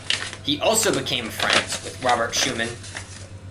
He also became friends with Robert Schumann.